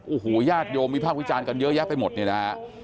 โอ้โหญาติโยมวิพากษ์วิจารณ์กันเยอะแยะไปหมดเนี่ยนะฮะ